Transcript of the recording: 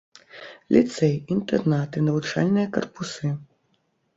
Ліцэй, інтэрнаты, навучальныя карпусы.